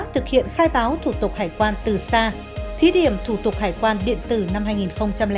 thí điểm thủ tục hải quan điện tử năm hai nghìn năm